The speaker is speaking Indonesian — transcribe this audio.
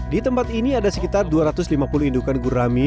di tempat ini ada sekitar dua ratus lima puluh indukan gurami